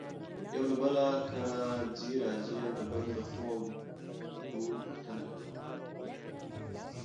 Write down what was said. يو له بل کره ځي راځي يو د بل دښو او دو پوښنته کوي.